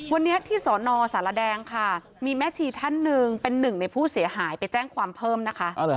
วันนี้ที่สนสารแดงค่ะมีแม่ชีท่านหนึ่งเป็นหนึ่งในผู้เสียหายไปแจ้งความเพิ่มนะคะ